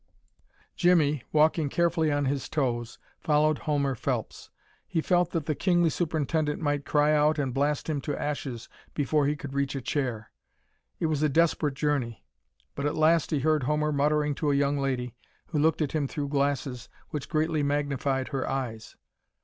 Jimmie, walking carefully on his toes, followed Homer Phelps. He felt that the kingly superintendent might cry out and blast him to ashes before he could reach a chair. It was a desperate journey. But at last he heard Homer muttering to a young lady, who looked at him through glasses which greatly magnified her eyes.